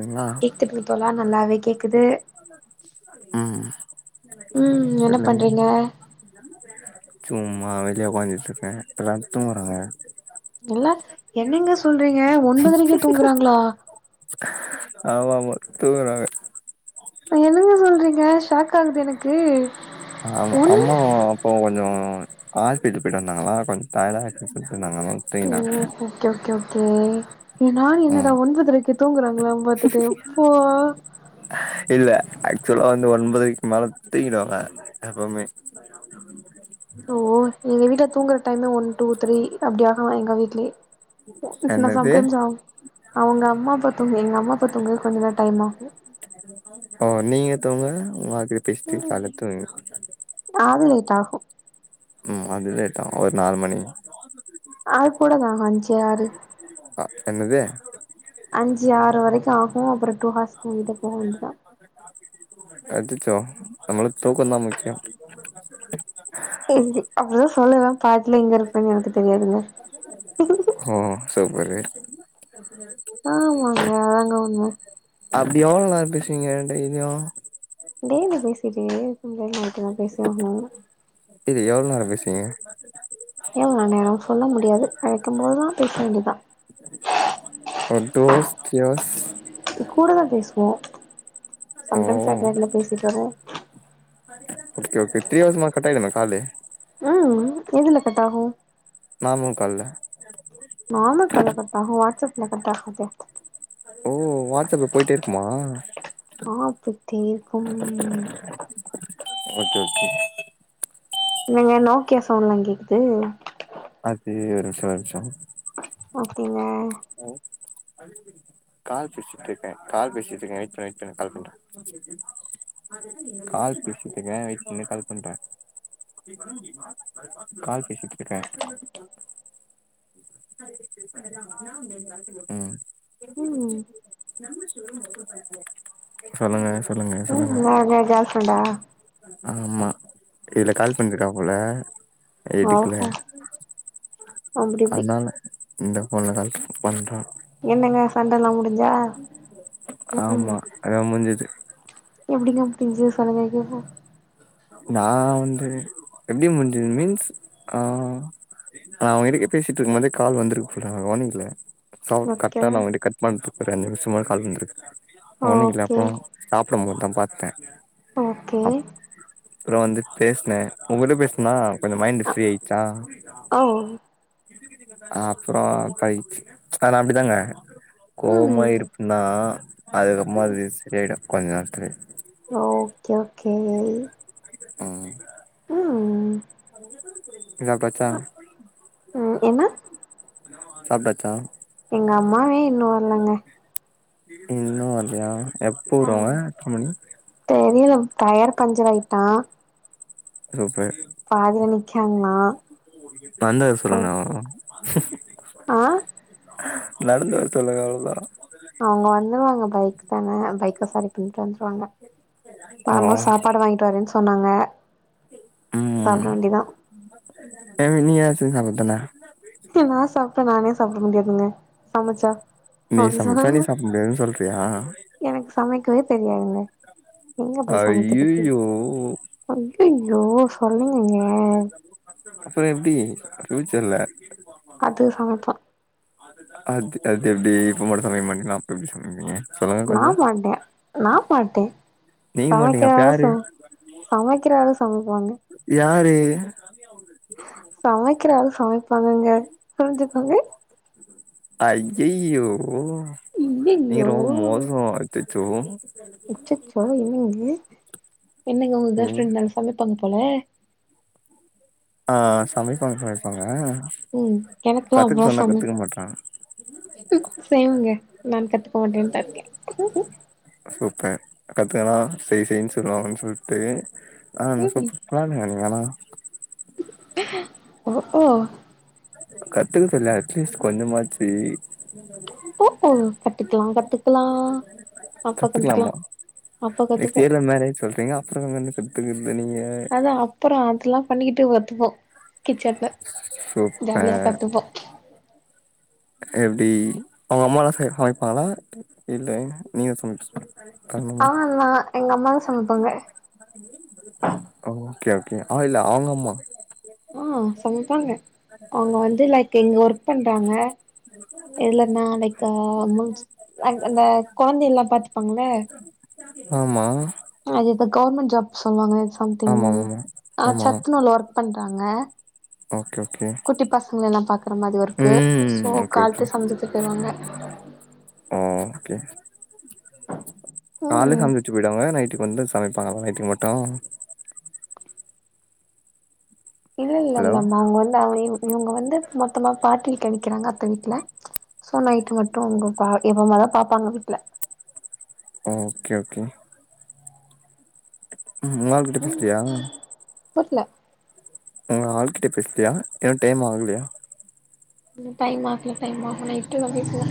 ங்களா கேக்குது தோழா நல்லாவே கேக்குது ம் ம் என்ன சொல்லுங்க பண்றீங்க சும்மா வெளிய ஒக்காந்திட்ருக்கே எல்லா தூங்கறாங்க எல்லா என்னங்க சொல்றீங்க ஒன்பதரைக்கே தூங்கறாங்களா ஆமா ஆமா தூங்கறாங்க என்னங்க சொல்றீங்க ஷாக் ஆகுது எனக்கு ஆமா ஒன் அம்மாவா இப்போ கொஞ்சோ ஆஸ்பிட்டல் பொயிட்டு வந்தாங்களா கொஞ்ச தல வலிகுது சொல்லிட்ருந்தாங்க ம் ஓகே ஓகே ஓகே நா என்னடா ம் ஒன்தபதரைக்கே தூங்குறாங்களா பாத்துட்டு இப்ப இல்ல ஆக்சுவலா வந்து ஒன்பதரைக்கு மேல துங்கிடுவாங்க எப்பமே ஆ ஓ எங்க வீட்ல தூங்குற டைம் தா ஒன் டூ த்ரீ அப்டி ஆகு எங்க வீட்லே த சில சம் என்னது டைம்ஸ் ஆகு அவங்க அம்மா தூங்க எங்க அம்மா தூங்க கொஞ்ச நேர டைம் ஆகு ஓ நீங்க தூங்க ஒங்க ஆள்கிட்ட பேசிட்டு கால்ல தூங்கி அது லேட் ஆகு ம் அது லேட் ஆகு ஒரு நாலு மணி ஆள் கூட நாங்க அஞ்சி ஆறு அ என்னது அஞ்சி ஆறு வரைக்கு ஆகு அப்றோ டூ ஹவர்ஸ்க்கு வீட்டுக்கு போக வேண்டிதா அச்சசோ நம்ளுக்கு தூக்கதா முக்கியோ இருக்கு அப்டிதா சொல்லலா பாட்டுல எங்க இருப்பேன்னு எனக்கு தெரியாதுங்க ஓ செரி பாரு ஆமாங்க ஆமாங்க அப்டி எவ்ளோ நேர பேசுவீங்க டெய்லியு டெய்லி பேசிட்டே இருப்பாங்க நைட்டெல்லா பேசுவாங்க இது எவ்ள நேர பேசுவீங்க எவ்ள நேர சொல்ல முடியாது அழைக்கம் போதா பேச வேண்டிதா ஒரு டு அவர்ஸ் த்ரீ அவர்ஸ் கூடவே பேசுவோ ஓ சம் டைம்ஸ் யார்டையாது எதா பேசிடனா ஓகே ஓகே த்ரி அவர்ஸ் மேல கட்டாயிடுமா காலு ம் எதுல கட்டாகு நாமூக்கால்ல நார்மல் கால்ல கட் ஆகல வாட்ஸ்அப்ல கட் ஆகுது ஓ வாட்ஸ்அப்ல பொயிட்டே இருக்குமா ஆ பொய்ட்டே இருக்கும் ஓகே ஓகே என்னங்க நோக்கியா ஃபோன்லா கேக்கிது அது ஒருமிஷோ ஒருமிஷோ ஓகேங்க ஹலோ கால் பேசிட்டு இருக்கே கால் பேசிட்டு இருக்கே வெய்ட் பண்ணு வெய்ட் பண்ணு கால் பண்றே கால் பேசிட்டு இருக்கே வெய்ட் பண்ணு கால் பண்றே கால் பேசிட்டு இருக்கே ம் ம் சொல்லுங்க சொல்லுங்க என்ன உங்க கேர்ள் ஃப்ரெண்டா ஆமா இதுல கால் பண்ணிருக்கா போல எடுக்கல ஓஹோ அப்டி இப்டி அதுனால இந்த ஃபோன்ல கால் பண்றா என்னங்க சண்டல்லா முடிஞ்சா ம் ம் ஆமா அதா முஞ்சது எப்டிங்க முடிஞ்ச்சி சொல்லுங்க கேப்போ நா வந்து எப்டி முடிஞ்சது மீன்ஸ் ஆ நா உங்ககிட்டக்க பேசிட்டு இருக்கும் போதே கால் வந்துருக்கு போல நா கவனிக்கல சவுண்ட் கட் ஓகே ஆன ஒண்டி கட் பண்ட்டு இப்ப ரெண்டு நிம்சோ முன்னாடி கால் வந்துருக்கு கவனிக்கல ஓகே அப்போ சாப்டம் போதுதா பாத்தே ஓகே அப்பறோ வந்து பேசுனே உங்கட்ட பேசுனனா கொஞ்சோ மைண்ட் ஃப்ரீ ஆயிச்சா ஔ அப்பறோ கைச்சி அது அப்டிதாங்க கோவமா ம் இருப்பேந்தா அதுக்கப்பறமா அது சரியாயிடு கொஞ்ச நேரத்துலயே ஓகே ஓகே ம் ம் சாப்டாச்சா ம் என்ன சாப்ட்டாச்சா எங்க அம்மாவே இன்னு வரலங்க இன்னு வல்லையா எப்ப வருவாங்க எத்தன மணி தெரியல டயர் பஞ்சர் ஆயிட்டா சூப்பர் பாதில நிக்காங்களா நடந்து வர சொல்லுங்க அவ்ளதா ஆ நடந்து வர சொல்லுங்க அவ்ளதா அவுங்க வந்துருவாங்க பைக் தான பைக்க சரி பண்ணிட்டு வந்துருவாங்க ஓ வரும்போது சாப்பாடு வாங்கிட்டு வர்றேன்னு சொன்னாங்க சாப்ட வேண்டிதா எப்டி நீ எதாச்சு சாப்டதான நா சாப்ட்டா நானே சாப்ட முடியாதுங்க சமச்சா நீ அப்டி சமச்சா சொன்னாங்க நீ சாப்ட முடியாதுன்னு சொல்றயா எனக்கு சமைக்கவே தெரியாதுங்க எங்க போய் சமைக்குரதுக்கு ஐய்யய்யோ ஐய்யய்யோ சொல்லுங்கங்க அப்பறோ எப்டி பியூச்சர்ல அது சமப்போ அது அது எப்டி இப்ப மட்டு சமைக்க மாட்டீங்கன்னா அப்ப எப்டி சமைப்பீங்க சொல்லுங்க நா கொஞ்சோ மாட்டே நா மாட்டே நீங்க மாட்டீங்க சமைக்கிற அப்ப ஆளு யாரு சம சமைக்கிற ஆளு சமைப்பாங்க யாரு சமைக்கிற ஆளு சமைப்பாங்கங்க புரிஞ்சிக்கோங்க ஐய்யய்யோ நீங்க ஐயையோ ரொம்ப மோசமா இருக்கு அச்சுச்சோ அச்சச்சோ என்னங்க என்னங்க உங்க கேர்ள் ம் ஃப்ரெண்ட் நல்லா சமைப்பாங்க போல ஆ சமைப்பாங்க சமைப்பாங்க ம் எனக்குலா கத்துக்க அவ்ளோ சொன்னா சமைக் கத்துக்க மாட்றாங்க சேமுங்க நா கத்துக்க மாட்டேன்னுதா இருக்கே சூப்பர் கத்துக்குனா செய் செய்ன்னு சொல்லுவாங்கன்னு சொல்ட்டு ஆமா ம்ஹும் சூப்பர் [unintelligible] ஓ ஓ கத்துக்கறதில்ல அட்லீஸ்ட் கொஞ்சமாச்சு போ போ கத்துக்கலா கத்துக்கலா [unintelligible] கத்துக்கலா கத்துக்கலாமா அப்ப நெக்ஸ்ட் கத்துப்போ இயர்ல மேரேஜ்சு சொல்றீங்க அப்றோ என்ன கத்துக்கிறது நீங்க அப்றோ அதெல்லா பண்ணிக்கிட்டு கத்துப்போ கிச்சன்ல ஜாலியா சூப்பர் கத்துப்போ எப்டி அவங்க அம்மாலா சமைப்பாங்களா இல்ல நீதா சமச் கண்ணு ஆ நா எங்க அம்மாதா சமைப்பாங்க ஓகே ஓகே இல்ல அவங்க அம்மா ஆ சமைப்பாங்க அவங்க வந்து லைக் எங்க ஒர்க் பண்றாங்க எதுலன்னா லைக் அந்த கொழந்தை எல்லா பாத்துப்பாங்கள ஆமா அது இந்த கவுவர்மெண்ட் ஜாப் சொல்லுவாங்க சம்திங் ஆமா ஆமா ஆ ஆமா சத்துனவுல ஒர்க் பண்றாங்க ஓகே ஓகே குட்டி பசங்க எல்லா பாக்குற மாரி ஒர்க்கு ம் சோ காலத்தே சமச்சு வெச்சிட்டு போய்டுவாங்க ம் ஆ ஓகே கால்லே ம் சமச்சு வெச்ட்டு போய்டுவாங்களா நைட்டுக்கு வந்து சமைப்பாங்களா நைட்டுக்கு மட்டு இல்ல இல்ல ஹலோ இல்ல அம்மா அங்க வந்து அவ இவங்க வந்து மத்தநாள் பாட்டி வீட்ல நிக்றாங்க அத்த வீட்டுல சோ நைட்டு மட்டு அவங்க பா எப்பமாதா பாப்பாங்க வீட்டில ஓகே ஓகே ம் ஒ ஆள் கிட்ட பேசுறியா கேக்கல உங்க ஆள்கிட்ட பேசலியா இன்னு டைம் ஆகலியா இன்னு டைம் ஆகல டைம் ஆகல [unintelligible] பேசுவ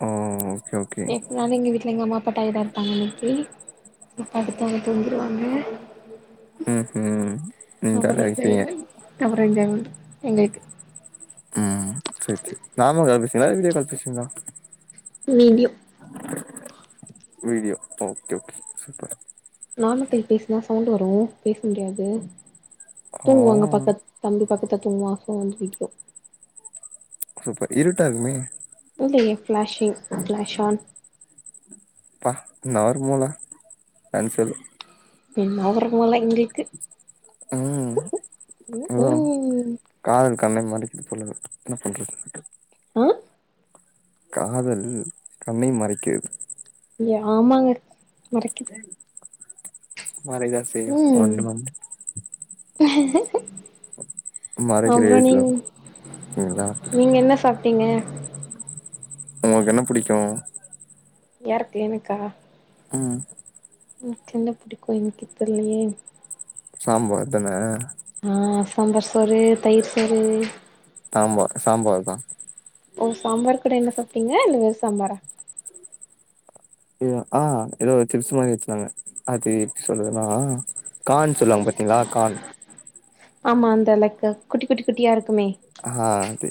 ஓ ஓகே ஓகே எப்னாலு எங்க வீட்ல எங்க அம்மா அப்பா டயடா இரு [unintelligible] சோ படுத்தவுடனே தூங்கிருவாங்க ம் ம் ம் அப்றோ ஜாலியா என்ஜாய் இருப்பீங்க என்ஜாய் மென்ட் எங்களுக்கு ம் சேர் சேர் நாமல் கால் பேசிவீங்ளா வீடியோ கால் பேசுவீங்ளா video video okay okay super normal call பேசுனா சவுண்ட் வரு பேச முடியாது ஓ தூங்குவாங்க பக்கத் தம்பி பக்கத்துல தூங்குவா [unintelligible] சூப்பர் இருட்டா இருக்குமே இல்லல்ல ஃப்ளஷிங் ஃப்ளாஷ் ஆன் ப்பா என்ன ஒரு மூல [unintelligible] என்னா ஒரு மூல எங்களுக்கு ம் ம் அதா ம் காதல் கண்ணை மறைக்குது போல இருக்குது என்ன பண்றது ஆ காதல் கண்ணை மறைக்கிர்து ஏ ஆமாங்க மறைக் மறைக்தா செய்யூ ம் ஒண்ணு பண் முட் மறைக்கிற அப்றோ ஏஜ்ல நீங் இருக்கீங்களா நீங்க என்ன சாப்ட்டீங்க உனக்கு என்ன புடிக்கோ யாருக்கு எனக்கா ம் எனக் என்ன புடிக்கூ எனக்கோ தெர்லயே சாம்பார் அதான ஆ சாம்பார் சோறு தயிர் சோறு ஆமா சாம்பார் தா ஓ சாம்பார் கூட என்ன சாப்டீங்க இல்ல வெறூ சாம்பாரா எதோ ஆ எதோ ஒரு சிப்ஸ் மாரி வச்சிருந்தாங்க அது எப்டி சொல்றதுனா கான் சொல்லுவாங்க பாத்தீங்ளா கான் ஆமா அந்த லைக் குட்டி குட்டி குட்டியா இருக்குமே ஆ அது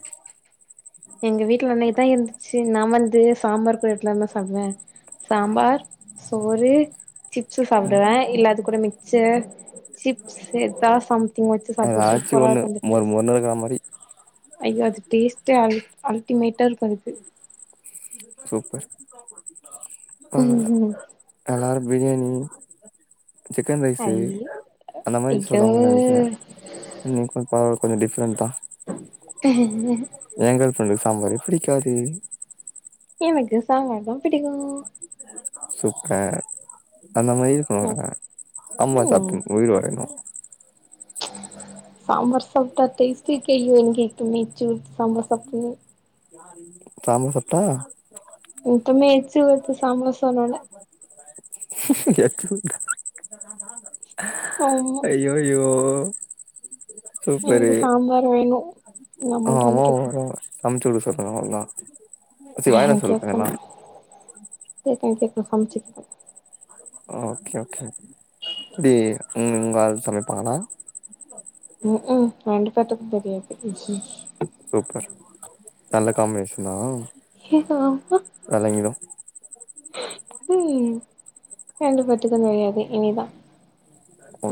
எங்க வீட்ல இன்னைக்தா இருந்துச்சு நான் வந்து சாம்பார் பிளோட்லதா இருந்தா சாப்டுவே சாம்பார் சோறு சிப்ஸ் சாப்டுவே இல்ல அது கூட மிக்சர் சிப்ஸ் சேத்தா சம்திங் வச்சு சாப்புடூவே சூப்பரா இருக்கூ அந்த டேஸ்ட் பண்ணருக்கா மாரி ஐயோ அது டேஸ்ட்டே அ அல்டிமேட்டா இருக்கூ அதுக்கு சூப்பர் பரவால்ல எல்லாரூ பிரியாணி சிக்கன் ரைஸ்சு ஐய அந்த மாரி ஐயோ சொல்லுவீங் நெனச்சே நீ கொஞ் பரவால்ல கொஞ்சோ டிஃப்ரெண்டா ஏ கேர்ள் ஃப்ரண்டு சாம்பாரூ புடிக்காது எனக்கு சாம்பார் தா பிடிக்கூ சூப்பர் அந்த மாரி இருக்கணுங்கா சாம்பார் ம் சாப்ட்டுனு உயிர் வாழணூ சாம்பார் சாப்ட்டா டேஸ்டோ கே யூ இன் கேட்குமே சாம்பார் சாப்ட்டுன்னு யாரூ சாம்பார் சாப்ட்டா இப்பமே எச்சு ஊர்து சாம்பார் சொன்னோன்னே எச் ஊற்தா ம் அய்யய்யோ எனக்கு சாம்பார் வேணூ ஆமா வேணூ அனுப்பிச்சு வுட சொல்றே ஓன்னா தேங்க்யூ தம்பி சரி தம்பி நா சமைச்சுக்குவே ஓகே ஓகே எப்டி உங்க ஆல் சமைப்பாங்ளா ம் ம் ரெண்டு பேத்துக்கூ தெரியாது சூப்பர் நல்ல காம்பினேஷன்னா வெளங்கிடும் ப்ளீஸ் ரெண்டு பேத்துக்கூ தெரியாது இனிதா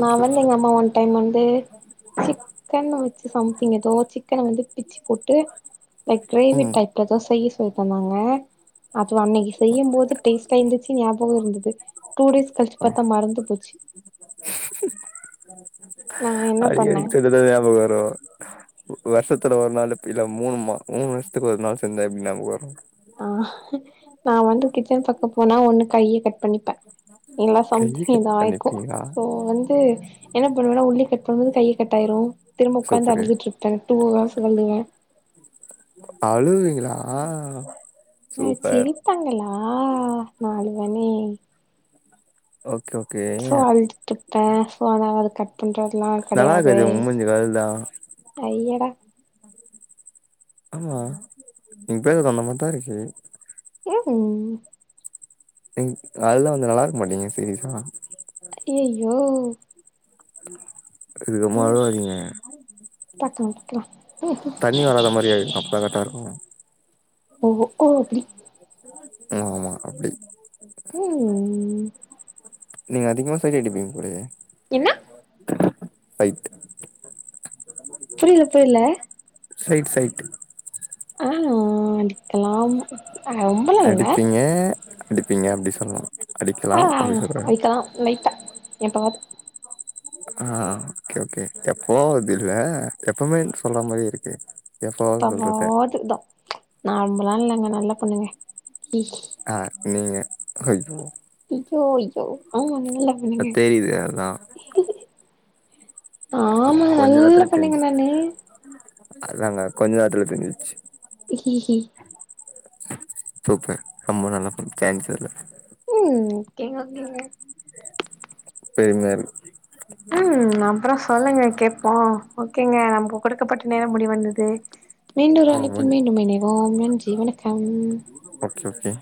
நா வேன்னா ஓகே எங்க அம்மா ஒன் டைம் வந்து சிக் கன் வச்சு சம்திங் ஏதோ சிக்கன வந்து பிச்சி போட்டு இப்ப கிரேவி ம் டைப்லதா செய்ய சொல்ட்டுந்தாங்க அப்றோ அன்னைக்கு செய்யும்போது அப்ப டேஷ்ட்டா இருந்துச்சு ஞாபகம் இருந்தது டூ டேஸ் கழிச்சு ஆ பாத்தா மறந்து போச்சு நா என்ன அடிக் பண்ணே அடிக் சின்னதா ஞாபக வரோ வருஷத்துல ஒரு நாள் இப்ப இல்ல மூணு மா மூணு வருஷத்துக்கு ஒரு நாள் செஞ்சா எப்டி ஞாபக வரோ ஆ நா வந்து கிச்சன் பக்கம் போனா ஒண்ணு கைய கட் பண்ணிப்ப இல்லா கைய சம்திங் கட் எதா ஆய்க்கும் பண்ணிப்பீங்களா சோ வந்து என்ன பண்ணுவன்னா உள்ளி கட் பண்ணி கைய கட்டாயிரு திரும்ப உக்காந்து சூப்பரு அழுதுட்ருப்ப டூ ஹவர்ஸ் அழுதுருவ அழுவீங்ளா அ சிரிப்பாங்களா நா அழுவனே ஓகே ஓகே சோ அழுதுட்டுப்ப சோ அதனால அத கட் பண்றது அப்பில்லா நல்லா கெடயாது இருக்காது உ மூஞ்சு கழுல்தா அய்யோடா ஆம்மா உன் பேர கொண்டமார்த்தா இருக்கு ம் ம் திங் அதல்லா வந்து நல்லா இருக்க மாட்டீங்கு சிரீயஸ்ஸா அய்யய்யோ இதுக்கமா அழுவாதிங்க பக்கம் பக்லா தண்ணி வராத மாரி ஆயிக்கு அப்ப கரெக்ட்டா இருக்கும் உன் ஒக்கா எப்டி ஆ ஆமா அப்டி ம் நீங்க அதிகமா சைட் அடிப்பீங்க போலயே என்ன சைட்டு புரியில புரில சைட் சைட்டு ஆ அடிக்கலாம் ரொம்பலா இல்ல ஏன் அடிப்பீங்க அப்டி சொன்ன ஆ அதுக்காக லைட்டா எப்பாவ்து அ ஓகே ஓகே எப்பாவ்து இல்ல எப்போமே சொல்ற மாரி இருக்கு எப்போவாவ்து சொல்ருப்ப அதுத்தா நா ரொம்பலா இல்லங்க நல்ல பொண்ணுங்க விஷ் அ நீங்க அய்யோ ஐய்யோ ஐய்யோ ஆமாங்க நல்ல பொண்ணுங்க தெரியுது அதா ஆமாங்க கொஞ்ச நல்ல நேரத்துல தெரிஞ்சு பொண்ணுங்க நானு அதாங்க கொஞ்ச நேரத்துல தெரிஞ்சிச்சு ஹிஹி சூப்பர் ரொம்ப நல்ல பொண்ணு டைம் சரில்ல ம் ஓகேங்க ஓகேங்க பெர்மையா இருக் ம் அப்றோ சொல்லுங்க கேப்போ ஓகேங்க நமக்கு குடுக்கப்பட்ட நேரம் முடிவந்தது மீண்டோரு ஓ அழைப்பில் மீண்டும் இணைவோம் நன்றி வணக்கம் ஓகே ஓகே